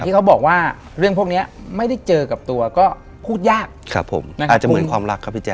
แผ่งพวกนี้พี่จะเหมือนความรักครับที่พี่แจ๊ก